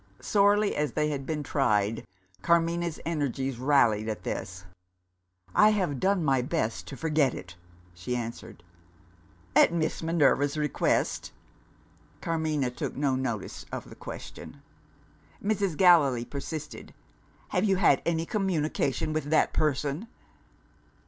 Sorely as they had been tried, Carmina's energies rallied at this. "I have done my best to forget it!" she answered. "At Miss Minerva's request?" Carmina took no notice of the question. Mrs. Gallilee persisted. "Have you had any communication with that person?"